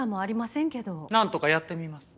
なんとかやってみます。